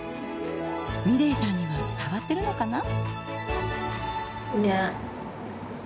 美礼さんには伝わってるのかな。